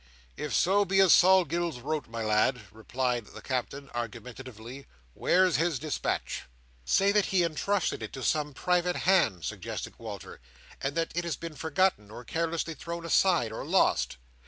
"If so be as Sol Gills wrote, my lad," replied the Captain, argumentatively, "where's his dispatch?" "Say that he entrusted it to some private hand," suggested Walter, "and that it has been forgotten, or carelessly thrown aside, or lost.